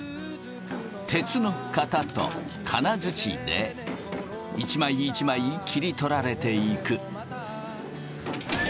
鉄の型と金づちで一枚一枚切り取られていく。